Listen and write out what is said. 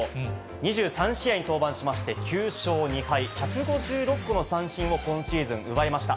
２３試合に登板しまして、９勝２敗、１５６個の三振を今シーズン奪いました。